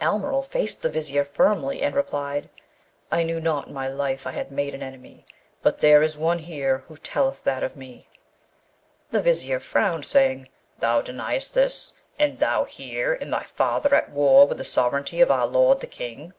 Almeryl faced the Vizier firmly, and replied, 'I knew not in my life I had made an enemy; but there is one here who telleth that of me.' The Vizier frowned, saying, 'Thou deniest this? And thou here, and thy father at war with the sovereignty of our lord the King!'